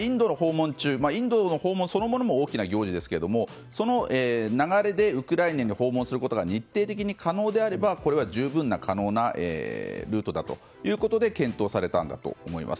インドの訪問そのものも大きな行事ですがその流れでウクライナに訪問することが日程的に可能であれば、これは十分可能なルートだということで検討されたんだと思います。